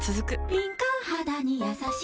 敏感肌にやさしい